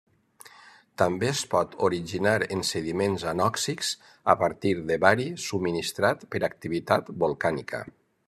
També es pot originar en sediments anòxics a partir de bari subministrat per activitat volcànica.